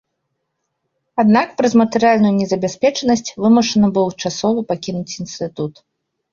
Аднак праз матэрыяльную незабяспечанасць вымушаны быў часова пакінуць інстытут.